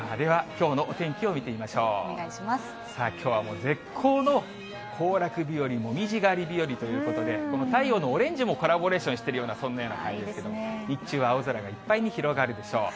さあ、きょうは絶好の行楽日和、もみじ狩り日和ということで、この太陽のオレンジもコラボレーションしているような、そんなような感じ、日中は青空がいっぱいに広がるでしょう。